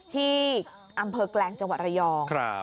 ที่อำเภอแกลงจังหวัดระยอง